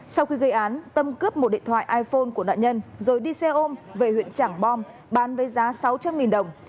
sau khi gây án tâm cướp một điện thoại iphone của nạn nhân rồi đi xe ôm về huyện trảng bom bán với giá sáu trăm linh đồng